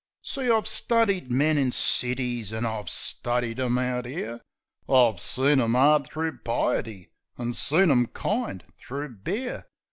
"} See, I've studied men in cities, an' I've studied 'em out 'ere; I've seen 'em 'ard thro' piety an' seen 'em kind thro' beer.